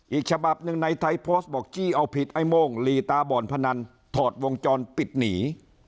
อีกฉบับหนึ่งในไทยโพสต์บอกจี้เอาผิดไอ้โม่งลีตาบ่อนพนันถอดวงจรปิดหนี